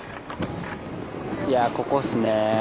いやここっすね。